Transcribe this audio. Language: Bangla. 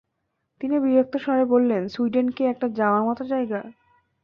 তিনি বিরক্ত স্বরে বললেন, সুইডেন কি একটা যাওয়ার মতো জায়গা?